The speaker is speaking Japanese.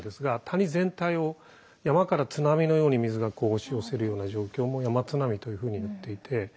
谷全体を山から津波のように水がこう押し寄せるような状況も山津波というふうにいっていて。